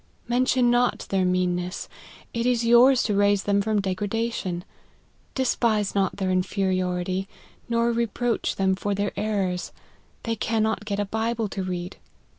" Mention not their meanness ; it is yours to raise them from degradation. Despise not their inferiority, nor reproach them for their errors ; they cannot get a Bible to read.